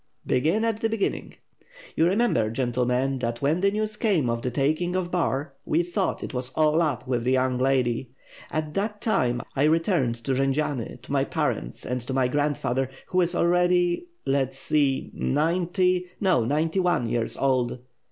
"Begin at the beginning!" 'TTou remember, gentlemen, that when the news came of 636 WITH FIRE AND SWORD. the taking of Bar, we thought it was all up with the young lady. At that time, I returned to Jendziani, to my parents and to my grandfather, who is already — let's see — ninety, no ninety one years old."